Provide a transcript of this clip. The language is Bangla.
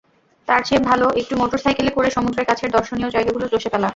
তার চেয়ে ভালো, একটু মোটরসাইকেলে করে সমুদ্রের কাছের দর্শনীয় জায়গাগুলো চষে ফেলা।